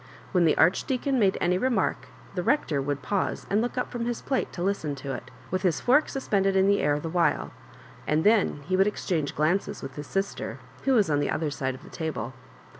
When the Archdeacon made any remark the Rector would pause and look up from his plate to listen to it, with his fork suspended in the air the while — and then he would exchange glances with his sister, who was on the other side of the table.